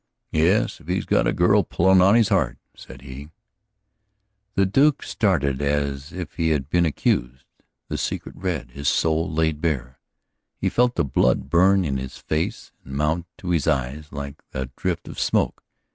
"Yes, if he's got a girl pullin' on his heart," said he. The Duke started as if he had been accused, his secret read, his soul laid bare; he felt the blood burn in his face, and mount to his eyes like a drift of smoke.